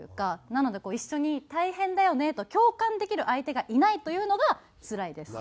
なので一緒に「大変だよね」と共感できる相手がいないというのがつらいです。